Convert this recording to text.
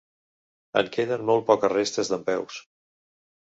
En queden molt poques restes dempeus.